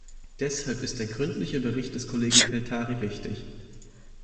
Deshalb ist der gründliche Bericht des Kollegen Pelttari wichtig.